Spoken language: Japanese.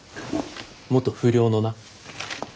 元不良のな。